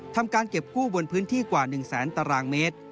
ทำการเก็บกู้บนพื้นที่กว่า๑แสนตารางเมตร